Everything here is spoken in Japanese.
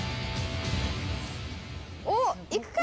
おっ、いくか？